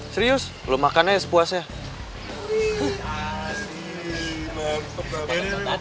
serius belum makan aja sepuasnya